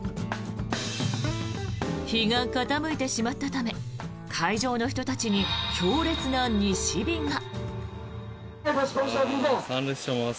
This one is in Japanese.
日が傾いてしまったため会場の人たちに強烈な西日が。